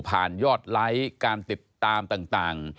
ยอดไลค์การติดตามต่าง